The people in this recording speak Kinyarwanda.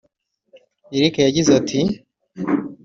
Eric yagize ati